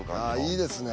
いいですね。